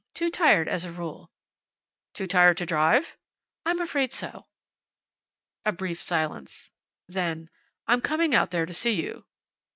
Too tired, as a rule." "Too tired to drive?" "I'm afraid so." A brief silence. Then, "I'm coming out there to see you."